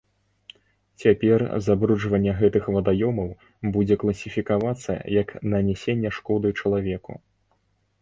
Цяпер забруджванне гэтых вадаёмаў будзе класіфікавацца як нанясенне шкоды чалавеку.